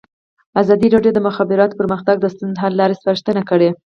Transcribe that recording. ازادي راډیو د د مخابراتو پرمختګ د ستونزو حل لارې سپارښتنې کړي.